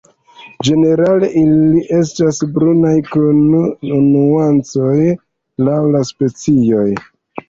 Ĝenerale ili estas brunaj kun nuancoj laŭ la specioj.